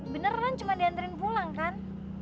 beneran cuma diandarin pulang kan